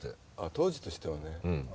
当時としてはね。